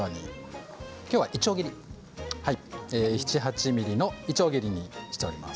きょうはいちょう切り７、８ｍｍのいちょう切りにしてあります。